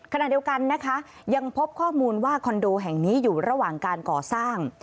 ขณะเดียวกันนะคะยังพบข้อมูลว่าคอนโดแห่งนี้อยู่ระหว่างการก่อสร้าง